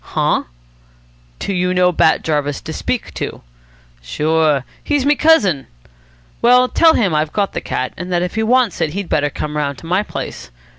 "Huh?" "Do you know Bat Jarvis to speak to?" "Sure. He's me cousin." "Well, tell him I've got the cat, and that if he wants it he'd better come round to my place.